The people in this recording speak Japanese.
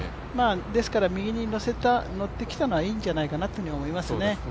ですから右にのってきたのはいいんじゃないかなと思いますね。